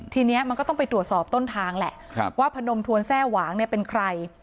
ทีนี้มันก็ต้องไปตรวจสอบต้นทางแหละว่าพนมทวนแทร่หวางเนี่ยเป็นใคร